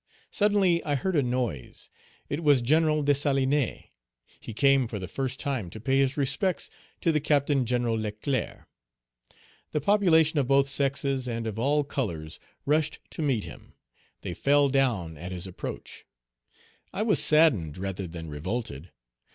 Suddenly I heard a noise, it was General Dessalines; he came for the first time Page 210 to pay his respects to the Captain General Leclerc. The population of both sexes and of all colors rushed to meet him; they fell down at his approach. I was saddened rather than revolted.